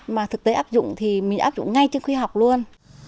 mà thực tế áp dụng thì mình áp dụng ngay trước khi học luôn